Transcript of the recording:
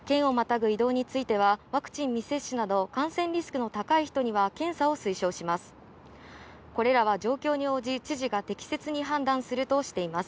県をまたぐ移動についてはワクチン未接種など、感染リスクの高い人には検査を推奨します。